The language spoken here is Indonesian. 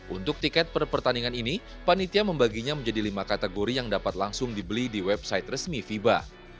untuk tiket per pertandingan ini panitia membaginya menjadi lima kategori yang dapat langsung dibeli di website resmi fiba